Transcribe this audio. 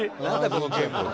このゲームは。